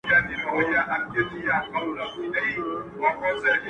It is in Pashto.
• نن مي خیال خمار خمار لکه خیام دی,